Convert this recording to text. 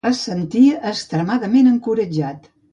Es sentia extremadament encoratjat.